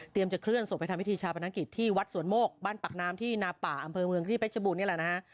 จะเคลื่อนศพไปทำพิธีชาปนกิจที่วัดสวนโมกบ้านปากน้ำที่นาป่าอำเภอเมืองที่เพชรบูรณนี่แหละนะฮะ